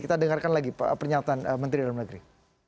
kita dengarkan lagi pernyataan menteri dalam negeri